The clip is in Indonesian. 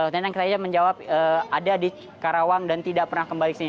nenek saja menjawab ada di karawang dan tidak pernah kembali ke sini